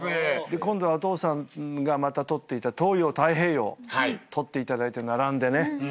今度はお父さんが取っていた東洋太平洋取っていただいて並んでね。